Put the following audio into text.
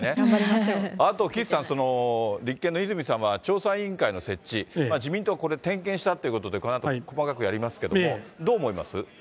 あと岸さん、立憲の泉さんは調査委員会の設置、自民党はこれ、点検ということで、このあと細かくやりますけれども、どう思います？